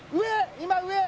今上！